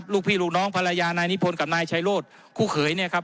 ลูกพี่ลูกน้องภรรยานายนิพนธ์กับนายชายโรธคู่เขยเนี่ยครับ